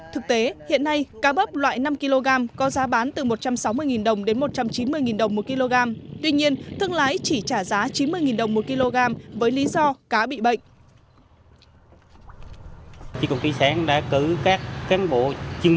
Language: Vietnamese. thực tế hiện nay cá bớp loại năm kg có giá bán từ một trăm sáu mươi đồng đến một trăm chín mươi đồng một kg tuy nhiên thương lái chỉ trả giá chín mươi đồng một kg với lý do cá bị bệnh